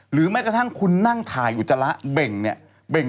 หรือแม้กระทั่งคุณนั่งถ่ายอยู่จำละเป็งแรง